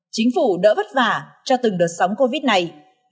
chính phủ đỡ vất vả cho từng đợt sóng covid này